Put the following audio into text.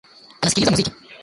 Anasikiliza muziki